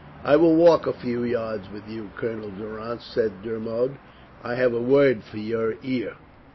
"I will walk a few yards with you, Colonel Durrance," said Dermod. "I have a word for your ear."